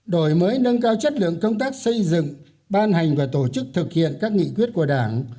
đổi mới nâng cao chất lượng công tác xây dựng ban hành và tổ chức thực hiện các nghị quyết của đảng